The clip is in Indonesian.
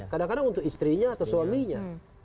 kadang kadang untuk istrinya atau suaminya